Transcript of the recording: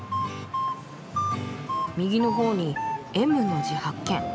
右のほうに「Ｍ」の字発見。